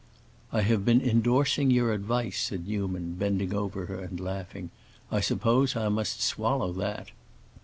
"I have been endorsing your advice," said Newman, bending over her and laughing, "I suppose I must swallow that!"